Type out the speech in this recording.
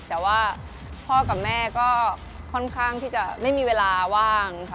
แต่ว่าพ่อกับแม่ก็ค่อนข้างที่จะไม่มีเวลาว่างค่ะ